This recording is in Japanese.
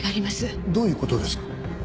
どういう事ですか？